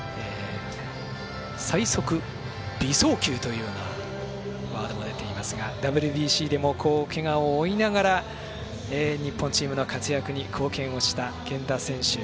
最速美送球というようなワードが出ていますがＷＢＣでも、けがを負いながら日本チームの活躍に貢献をした源田選手。